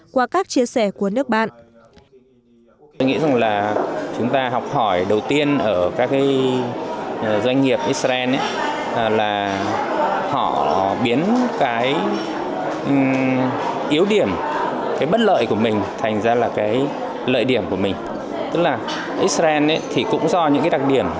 qua các chia sẻ của nước bạn